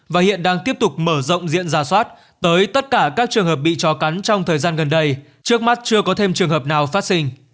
và hiện đang tiếp tục mở rộng diện giả soát tới tất cả các trường hợp bị chó cắn trong thời gian gần đây trước mắt chưa có thêm trường hợp nào phát sinh